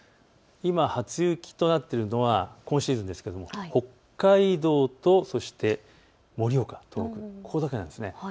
今、初雪となっているのは今シーズンですけれども北海道とそして盛岡、ここだけなんです。